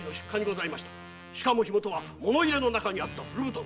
しかも火元は物入れの中にあった古布団。